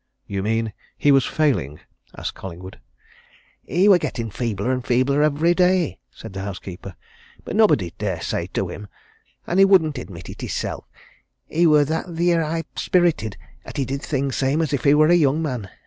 "You mean he was failing?" asked Collingwood. "He were gettin' feebler and feebler every day," said the housekeeper. "But nobody dare say so to him, and he wouldn't admit it his self. He were that theer high spirited 'at he did things same as if he were a young man.